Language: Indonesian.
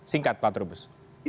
singkat pak trubus